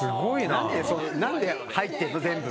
なんで入ってるの、全部？